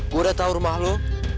gue udah tau rumah lo